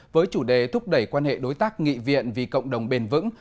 với chủ đề thúc đẩy quan hệ đối tác nghị viện vì cộng đồng bền vững